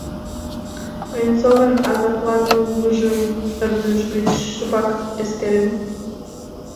Венцовын азапланымыжым ӧрдыж гыч шыпак эскерен.